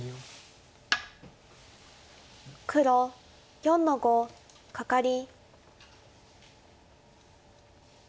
黒４の五カカリ。